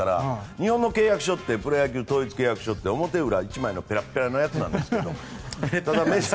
日本のプロ野球の契約書って表裏１枚のペラペラなやつなんですけど。